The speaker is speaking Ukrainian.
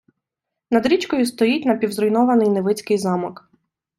Над річкою стоїть напівзруйнований Невицький замок.